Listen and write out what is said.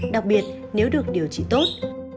đặc biệt nếu được điều trị tốt